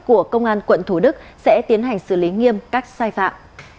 của công an quận thủ đức sẽ tiến hành xử lý nghiêm các sai phạm